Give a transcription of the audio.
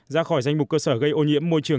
ra khỏi danh mục cơ sở gây ô nhiễm môi trường